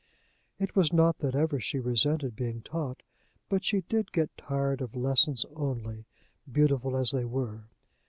It was not that ever she resented being taught; but she did get tired of lessons only, beautiful as they were.